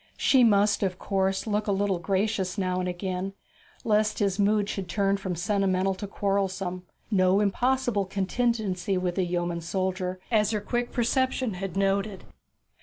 She must, of course, look a little gracious again now, lest his mood should turn from sentimental to quarrelsome no impossible contingency with the yeoman soldier, as her quick perception had noted.